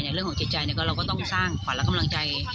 เรื่องของจิตใจเราก็ต้องสร้างขวัญและกำลังใจ